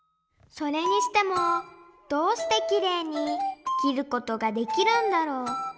それにしてもどうしてきれいに切ることができるんだろう？